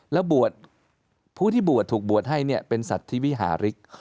แล้วบวชผู้ที่บวชถูกบวชให้เนี่ยเป็นสัตว์ที่วิหาริก